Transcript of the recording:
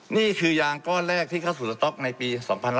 นี่คือยางก้อนแรกที่เข้าสู่สต๊อกในปี๒๕๕๙